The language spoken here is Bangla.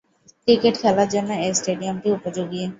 ক্রিকেট খেলার জন্য এ স্টেডিয়ামটি উপযোগী।